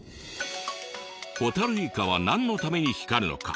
ホタルイカは何のために光るのか？